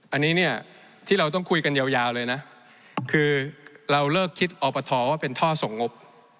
อันนี้เนี่ยที่เราต้องคุยกันยาวเลยนะคือเราเลิกคิดอปทว่าเป็นท่อส่งงบ